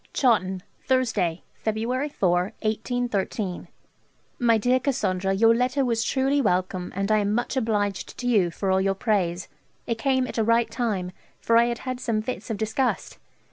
Chawton, Thursday, February 4 (1813). 'MY DEAR CASSANDRA, Your letter was truly welcome, and I am much obliged to you for all your praise; it came at a right time, for I had had some fits of disgust.